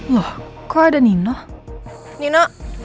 loh kok ada nina nina